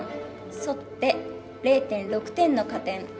反って、０．６点の加点。